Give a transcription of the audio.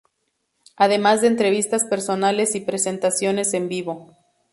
Además de entrevistas personales y presentaciones en vivo.